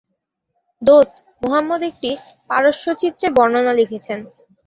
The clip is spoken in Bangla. দোস্ত মুহাম্মদ একটি পারস্য চিত্রের বর্ণনা লিখেছেন।